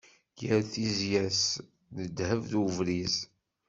Gar tizya-s d ddehb d ubriz.